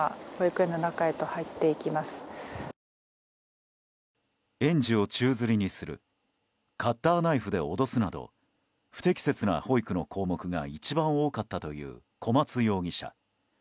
園児を宙づりにするカッターナイフで脅すなど不適切な保育の項目が一番多かったという小松容疑者。